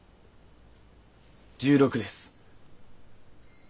１６です。